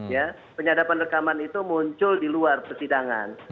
ya penyadapan rekaman itu muncul di luar persidangan